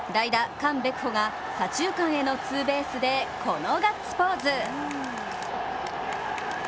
カン・ベクホが左中間へのツーベースでこのガッツポーズ。